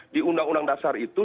di undang undang dasar itu